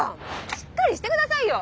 しっかりして下さいよ。